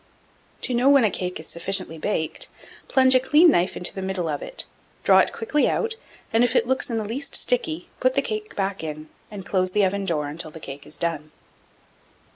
1710. To know when a cake is sufficiently baked, plunge a clean knife into the middle of it; draw it quickly out, and if it looks in the least sticky, put the cake back, and close the oven door until the cake is done.